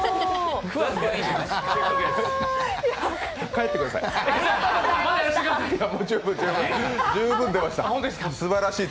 帰ってください。